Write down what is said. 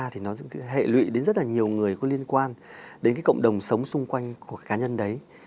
thì nó hệ lụy đến rất là nhiều người có liên quan đến cái cộng đồng sống xung quanh của cá nhân đấy